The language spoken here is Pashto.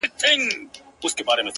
هغه شپه مي ټوله سندريزه وه’